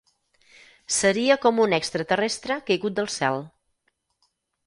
Seria com un extraterrestre caigut del cel.